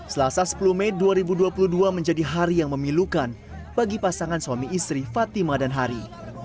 selasa sepuluh mei dua ribu dua puluh dua menjadi hari yang memilukan bagi pasangan suami istri fatima dan hari